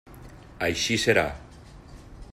Així serà.